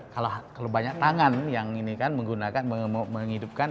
kalau banyak tangan yang ini kan menggunakan menghidupkan